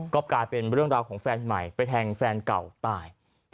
ก็กลายเป็นเรื่องราวของแฟนใหม่ไปแทงแฟนเก่าตาย